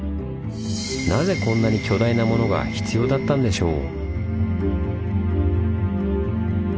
なぜこんなに巨大なものが必要だったんでしょう？